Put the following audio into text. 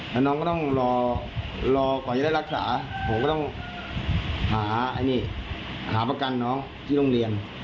แล้วน้องก็ต้องรอก่อนจะได้รักษาผมก็ต้องหาประกันน้องที่โรงเรียน